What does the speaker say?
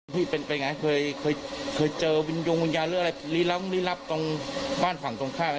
พี่เป็นเป็นไงเคยเคยเคยเจอวิญญาณหรืออะไรรีรับรีรับตรงบ้านฝั่งตรงข้าง